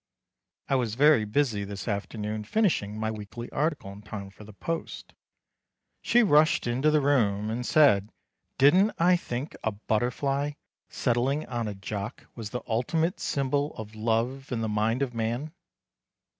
I was very busy this afternoon finishing my weekly article in time for the post. She rushed into the room and said didn't I think a butterfly settling on a jock was the ultimate symbol of love and the mind of man?